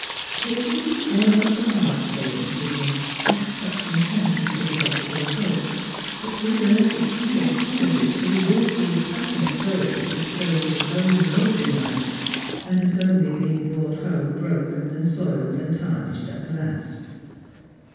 It seemed almost a hard saying to him, that touching sentence of the gospel of hope, which reserves its highest promises for the wilful, passionate soul that has chosen its owivroad in life and has only been brought home broken, and soiled, and tarnished at the last.